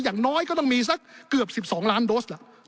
อย่างน้อยก็ต้องมีสักเกือบ๑๒ล้านโดส